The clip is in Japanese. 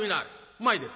うまいです。